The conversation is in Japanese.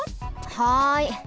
はい。